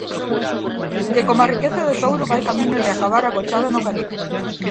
'De como a riqueza de Touro vai camiño de acabar agochada no Caribe'.